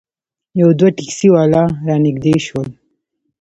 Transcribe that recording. یو دوه ټیکسي والا رانږدې شول.